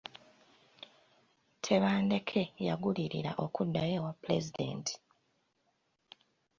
Tebandeke yagulirira okuddayo ewa Pulezidenti.